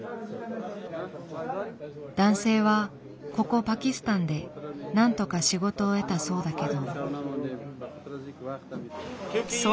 男性はここパキスタンでなんとか仕事を得たそうだけど。